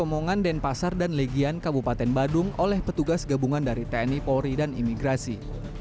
pemongan denpasar dan legian kabupaten badung oleh petugas gabungan dari tni polri dan imigrasi